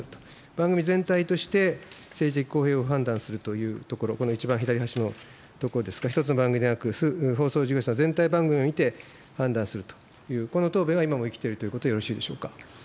番組全体として政治的公平を判断するというところ、この一番左端の所ですが、１つの番組ではなく、放送事業者全体の番組を見て、判断するという、この答弁は今も生きているということでよろしいでしょうか。